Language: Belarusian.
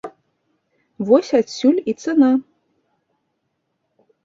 Вось адсюль і цана.